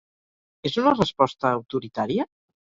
És una resposta autoritària?